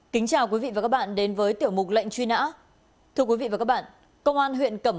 kính chào quý vị và các bạn đến với tiểu mục lệnh truy nã thưa quý vị và các bạn công an huyện cẩm